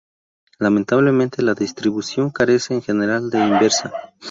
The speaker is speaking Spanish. Lamentablemente, la distribución carece, en general, de inversa.